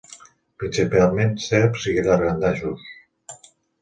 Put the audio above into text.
Principalment serps i llangardaixos.